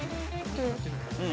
◆うん。